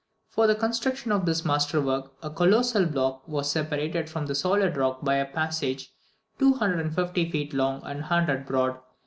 For the construction of this masterwork, a colossal block was separated from the solid rock by a passage 240 feet long and 100 broad.